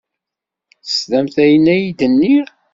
Teslamt ayen ay d-nniɣ.